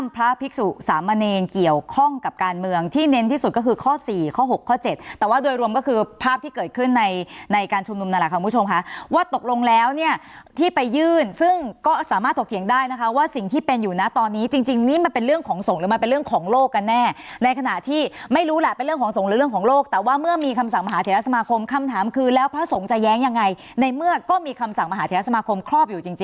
ไปยื่นซึ่งก็สามารถถกเถียงได้นะคะว่าสิ่งที่เป็นอยู่นะตอนนี้จริงจริงนี้มันเป็นเรื่องของสงฆ์หรือมันเป็นเรื่องของโลกกันแน่ในขณะที่ไม่รู้แหละเป็นเรื่องของสงฆ์หรือเรื่องของโลกแต่ว่าเมื่อมีคำสั่งมหาเถรสมาคมคำถามคือแล้วพระสงฆ์จะแย้งยังไงในเมื่อก็มีคำสั่งมหาเถรสมาคมครอบอย